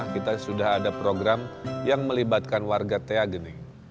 kita sudah ada program yang melibatkan warga teageneng